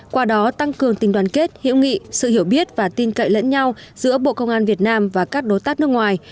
qua đó tăng cường tình đoàn kết hiểu nghị sự hiểu biết và tin cậy lẫn nhau giữa bộ công an việt nam và các đối tác nước ngoài